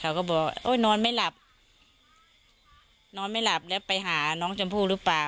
เขาก็บอกโอ้ยนอนไม่หลับนอนไม่หลับแล้วไปหาน้องชมพู่หรือเปล่า